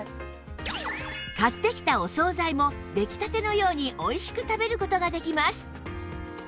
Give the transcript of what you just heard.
買ってきたお総菜も出来たてのようにおいしく食べる事ができます